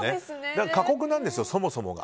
だから過酷なんです、そもそも。